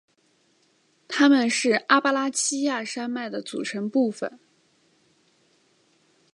它们是阿巴拉契亚山脉的组成部分。